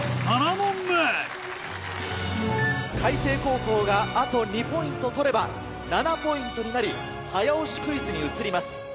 ７問目開成高校があと２ポイント取れば７ポイントになり早押しクイズに移ります。